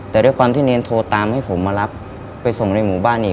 แต่ด้วยความที่เนรโทรตามให้ผมมารับไปส่งในหมู่บ้านอีก